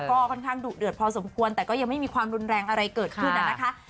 ก็ค่อนข้างดุเดือดพอสมควรแต่ก็ยังไม่มีความรุนแรงอะไรเกิดขึ้นนะคะ